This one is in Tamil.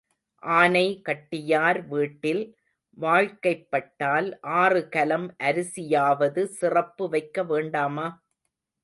ஆனை கட்டியார் வீட்டில் வாழ்க்கைப்பட்டால் ஆறு கலம் அரிசி யாவது சிறப்பு வைக்க வேண்டாமா?